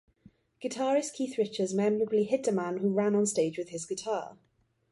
Guitarist Keith Richards memorably hit a man who ran onstage with his guitar.